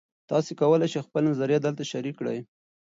تاسي کولای شئ خپل نظریات دلته شریک کړئ.